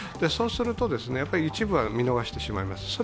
そうすると、一部は見逃してしまいます。